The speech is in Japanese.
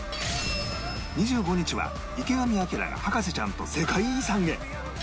２５日は池上彰が博士ちゃんと世界遺産へ